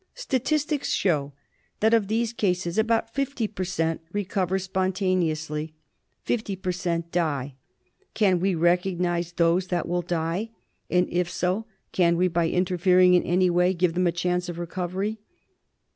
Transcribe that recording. Statistics show that of these cases about 50 per cent, recover spontaneously ; 50 per cent. die. Can we recognise those that will die and, if so, can we, by interfering in any way, give them a chance of recovery